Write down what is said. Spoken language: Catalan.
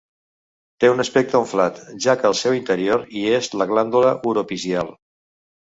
Té un aspecte unflat, ja que al seu interior hi és la glàndula uropigial.